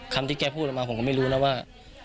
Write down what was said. คำที่แกพูดมาผมก็ไม่รู้นะว่า